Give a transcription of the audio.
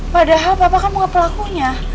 padahal bapak kan bukan pelakunya